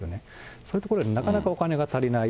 そういうところでなかなかお金が足りない。